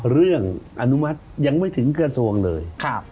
เรื่องอนุมัติยังไม่ถึงเกือบทรวงเลย